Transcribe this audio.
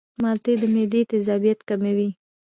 مالټې د معدې تیزابیت کموي.